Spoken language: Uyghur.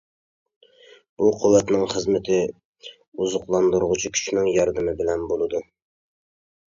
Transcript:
بۇ قۇۋۋەتنىڭ خىزمىتى ئوزۇقلاندۇرغۇچى كۈچنىڭ ياردىمى بىلەن بولىدۇ.